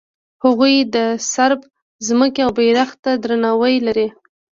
هغوی د صرب ځمکې او بیرغ ته درناوی لري.